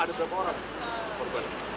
ada berapa orang